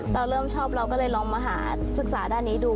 เราเริ่มชอบเราก็เลยลองมาหาศึกษาด้านนี้ดู